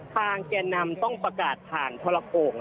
แก่นำต้องประกาศผ่านทรโก่ง